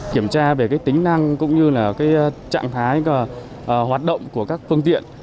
kiểm tra về tính năng cũng như trạng thái hoạt động của các phương tiện